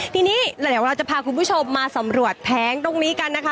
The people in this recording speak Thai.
ทีนี้เดี๋ยวเราจะพาคุณผู้ชมมาสำรวจแผงตรงนี้กันนะคะ